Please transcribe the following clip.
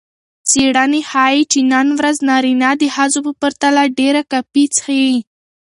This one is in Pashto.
څیړنې ښيي چې نن ورځ نارینه د ښځو په پرتله ډېره کافي څښي.